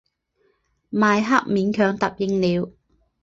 迈克勉强答应了。